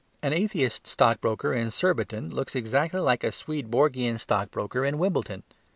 An atheist stockbroker in Surbiton looks exactly like a Swedenborgian stockbroker in Wimbledon.